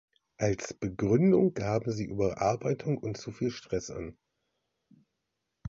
Als Begründung gaben sie Überarbeitung und zu viel Stress an.